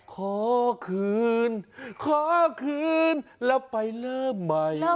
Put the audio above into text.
เค้าคืนเค้าคืนแล้วไปเลิศใหม่เลิศใหม่